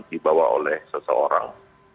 dibawa oleh seseorang